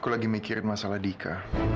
aku lagi mikirin masalah dika